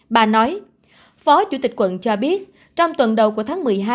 bà nói phó chủ tịch quận cho biết trong tuần đầu của tháng một mươi hai